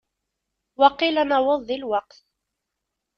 Waqil ad naweḍ deg lweqt.